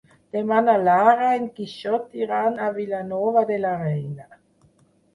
Demà na Lara i en Quixot iran a Vilanova de la Reina.